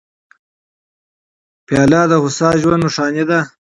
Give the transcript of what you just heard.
پیاله د هوسا ژوند نښه ده.